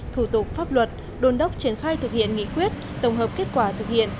thủ tục pháp luật đồn đốc triển khai thực hiện nghị quyết tổng hợp kết quả thực hiện